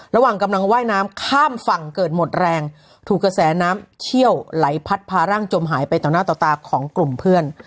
ระหว่างกำลังว่ายน้ำข้ามฝั่งเกิดหมดแรงถูกกระแสน้ำเชี่ยวไหลพัดพาร่างจมหายไปต่อหน้าต่อตาของกลุ่มเพื่อน